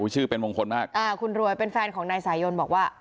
ชื่อเป็นมงคลมากอ่าคุณรวยเป็นแฟนของนายสายยนบอกว่า